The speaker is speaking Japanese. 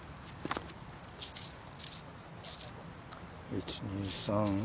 １２３。